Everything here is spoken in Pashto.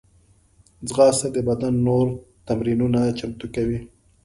ځغاسته د بدن نور تمرینونه چمتو کوي